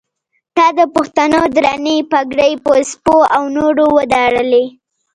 تا د پښتنو درنې پګړۍ په سپو او نورو وداړلې.